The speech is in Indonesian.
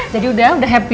jadi udah udah happy